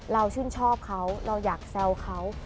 ชื่นชอบเขาเราอยากแซวเขา